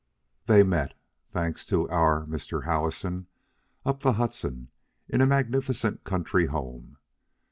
They met thanks to "our" Mr. Howison, up the Hudson, in a magnificent country home.